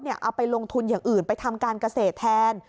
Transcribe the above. เอาไปลงทุนอย่างอื่นไปทำการเกษตรแทน